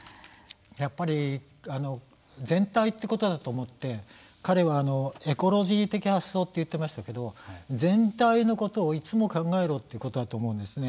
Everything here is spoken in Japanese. やっぱり全体ということだと思って彼はエコロジー的発想って言ってましたけど全体のことをいつも考えろってことだと思うんですね。